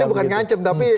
oke itu bukan ngancem tapi